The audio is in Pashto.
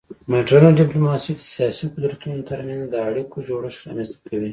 مډرن ډیپلوماسي د سیاسي قدرتونو ترمنځ د اړیکو جوړښت رامنځته کوي